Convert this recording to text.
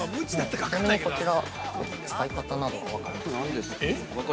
ちなみに、こちら使い方など分かりますか？